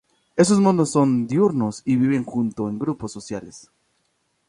Estos monos son diurnos y viven juntos en grupos sociales.